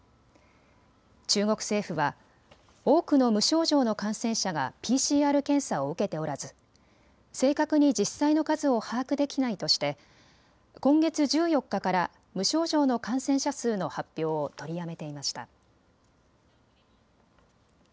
中国政府は多くの無症状の感染者がＰＣＲ検査を受けておらず正確に実際の数を把握できないとして今月１４日から無症状の感染者数の発表を取りやめていました。